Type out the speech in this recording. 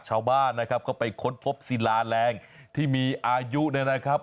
ชาวบ้านนะครับก็ไปค้นพบศิลาแรงที่มีอายุเนี่ยนะครับ